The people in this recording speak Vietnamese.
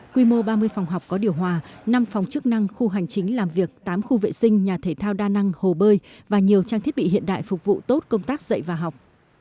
quy mô ba mươi phòng học có điều hòa năm phòng chức năng khu hành chính làm việc tám khu vệ sinh nhà thể thao đa năng hồ bơi và nhiều trang thiết bị hiện đại phục vụ tốt công tác dạy và học